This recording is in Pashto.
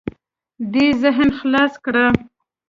دې ذهن خلاص کړه.